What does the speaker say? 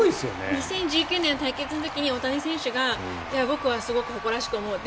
２０１９年の対決の時に大谷選手が僕はすごく誇らしく思うと。